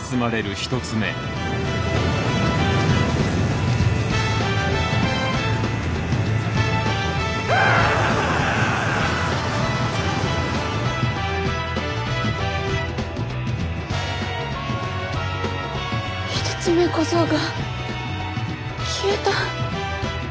一つ目小僧が消えた。